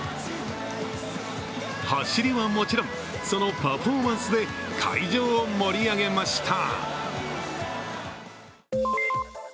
走りはもちろんそのパフォーマンスで会場を盛り上げました。